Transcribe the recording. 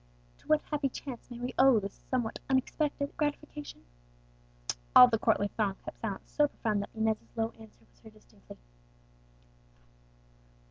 "To what happy chance may we owe this somewhat unexpected gratification?" All the courtly throng kept silence so profound that Inez's low answer was heard distinctly.